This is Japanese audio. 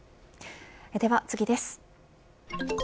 では次です。